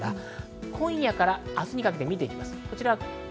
今夜から明日にかけて見ていきます。